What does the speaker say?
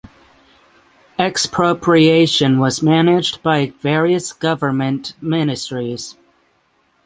Expropriation was managed by various government ministries.